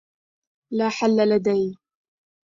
لا حل لدي.